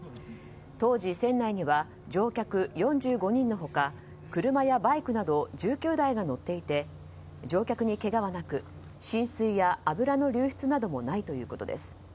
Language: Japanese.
当時、船内には乗客４５人の他車やバイクなど１９台が乗っていて乗客にけがはなく、浸水や油の流出などもないということです。